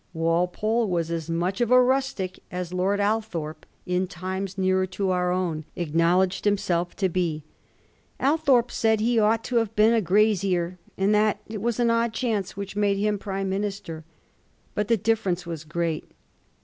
Walpole was as much of a rustic as Lord Althorp in times nearer to our own acknowledged himself to be. Althorp said he ought to have been a grazier, and that it was an odd chance which made him prime minister. But the diflference was great.